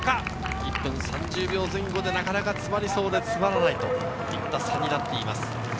１分３０秒前後でなかなか詰まりそうで詰まらないといった差になっています。